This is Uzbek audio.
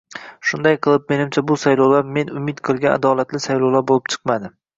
Shunday qilib, menimcha, bu saylovlar men umid qilgan adolatli saylovlar bo'lib chiqmadi